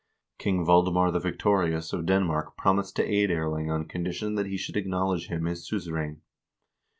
King Valdemar the Victorious of Denmark promised to aid Erling on condition that he should acknowledge him his suzerain.